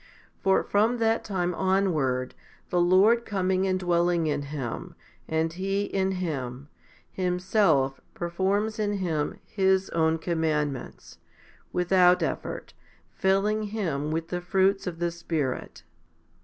For from that time onward, the Lord coming and dwelling in him, and he in Him, Himself performs in him His own com mandments, without effort, filling him with the fruits of the Spirit.